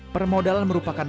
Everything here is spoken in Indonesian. permodal merupakan masalah utama